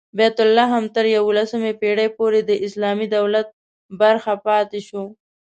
بیت لحم تر یوولسمې پېړۍ پورې د اسلامي دولت برخه پاتې شو.